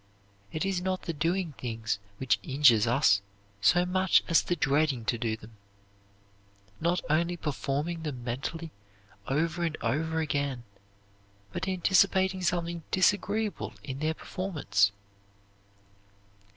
It is not the doing things which injures us so much as the dreading to do them not only performing them mentally over and over again, but anticipating something disagreeable in their performance.